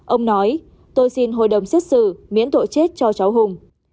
ông nói tôi xin hội đồng xét xử miễn tội chết cho cháu hùng